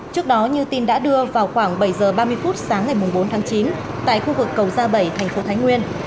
trước đó như tin đã đưa vào khoảng bảy h ba mươi phút sáng ngày bốn tháng chín tại khu vực cầu gia bảy thành phố thái nguyên